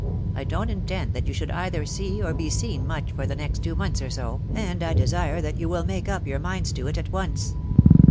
I don't intend that you should either see or be seen much for the next two months or so, and I desire that you will make up your minds to it at once."